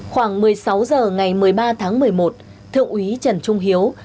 khoảng một mươi sáu h ngày một mươi ba tháng một mươi một thượng úy trần trung hiếu